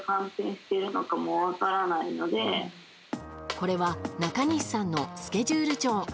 これは中西さんのスケジュール帳。